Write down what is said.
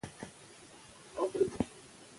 د کور دننه سګرټ مه څکوئ.